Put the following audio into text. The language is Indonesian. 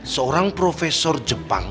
seorang profesor jepang